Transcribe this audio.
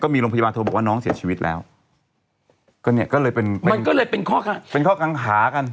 มีโรงพยาบาลโทรบอกว่าน้องเสียชีวิตแล้วก็เนี่ยก็เลยเป็นมันก็เลยเป็นข้อเป็นข้อกังขากัน